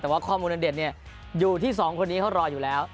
แต่ว่าข้อมูลอันเด็ดอยู่ที่สองคนนี้เขารออยู่แล้ว